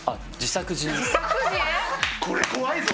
これ怖いぞ！